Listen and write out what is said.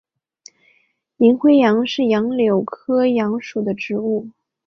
银灰杨是杨柳科杨属的植物。